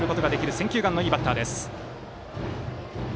選球眼のいいバッターです。